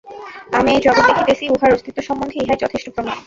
আমি এই জগৎ দেখিতেছি, উহার অস্তিত্ব সম্বন্ধে ইহাই যথেষ্ট প্রমাণ।